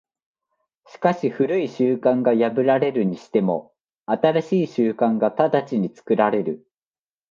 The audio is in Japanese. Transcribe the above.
しかし旧い習慣が破られるにしても、新しい習慣が直ちに作られる。